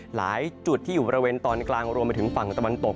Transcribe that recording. หลายจุดที่อยู่บริเวณตอนกลางรวมไปถึงฝั่งตะวันตก